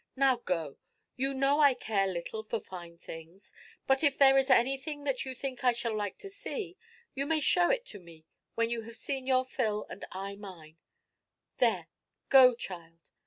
Now go. You know I care little for fine furnishings, but if there is anything that you think I shall like to see, you may show it to me when you have seen your fill, and I mine. There, go, child!